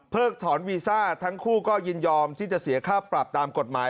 ถอนวีซ่าทั้งคู่ก็ยินยอมที่จะเสียค่าปรับตามกฎหมาย